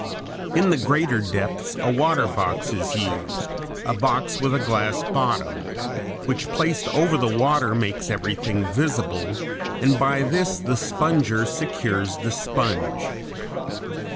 In the greater depths a water box is used, a box with a glass bottom, which placed over the water makes everything visible, and by this the sponger secures the sponge.